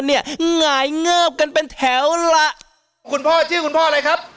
หงายเงิบกันเป็นแถวล่ะคุณพ่อชื่อคุณพ่ออะไรครับ